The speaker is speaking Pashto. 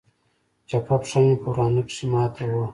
چپه پښه مې په ورانه کښې ماته وه.